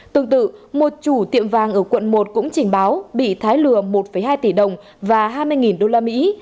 tương tự một chủ tiệm vàng ở quận một cũng trình báo bị thái lừa một hai tỷ đồng và hai mươi usd